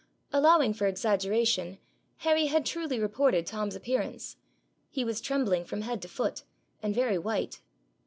Allowing for exaggeration, Harry had truly reported Tom's appearance. He was trembling from head to foot, and very white.